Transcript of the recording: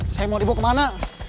saya mau dibawa kemana